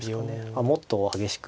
あっもっと激しく。